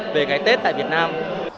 về cái tết tại việt nam